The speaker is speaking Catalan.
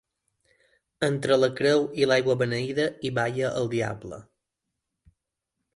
Entre la creu i l'aigua beneïda hi balla el diable.